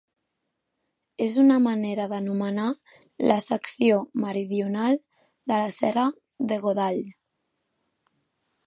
És una manera d'anomenar la secció meridional de la Serra de Godall.